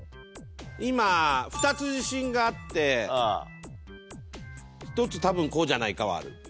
今２つ自信があって１つ多分こうじゃないかはある。